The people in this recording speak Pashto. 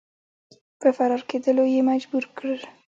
په فرار کېدلو یې مجبور کړ.